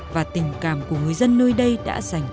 và tình cảm của người dân nơi đây đã giải phóng ra